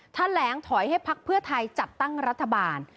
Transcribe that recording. แถลงถอยให้พักเพื่อไทยจัดตั้งรัฐบาล